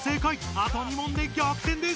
あと２問で逆転です！